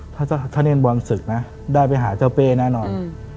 ถ้าเล่นบอลศึกนะได้ไปหาเจ้าเป้แน่นอน